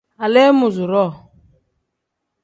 Aleemuuzuroo.